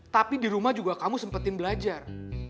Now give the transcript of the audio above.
tapi di rumah juga kamu sempetin belajar